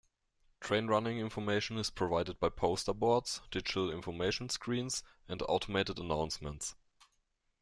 Train running information is provided by poster boards, digital information screens and automated announcements.